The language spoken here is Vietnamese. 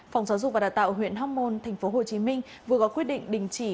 phòng giáo dục và đào tạo huyện hóc môn tp hcm vừa có quyết định đình chỉ